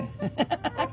ハハハハ！